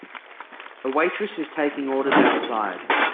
A waitress is taking orders outside.